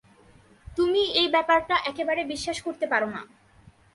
তুমি এই ব্যাপারটা একেবারে বিশ্বাস করতে পারো না।